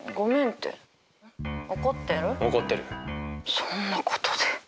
そんなことで。